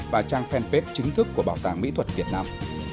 và trang fanpage chính thức của bảo tàng mỹ thuật việt nam